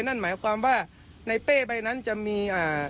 นั่นหมายความว่าในเป้ใบนั้นจะมีอ่า